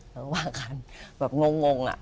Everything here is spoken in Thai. แล้วก็ว่าขันแบบงงอะ